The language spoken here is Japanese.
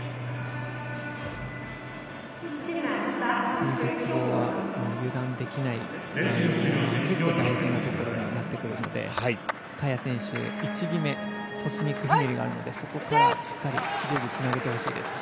この鉄棒は油断できない結構大事なところにはなってくるので萱選手コスミックひねりがあるのでそこからしっかりつないでほしいです。